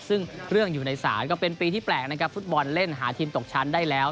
ซึ่งเรื่องอยู่ในศาลก็เป็นปีที่แปลกนะครับฟุตบอลเล่นหาทีมตกชั้นได้แล้ว